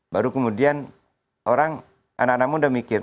baru kemudian orang anak anak muda mikir